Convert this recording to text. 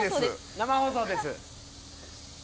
生放送です。